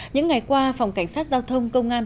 những ngày qua phòng cảnh sát giao thông công an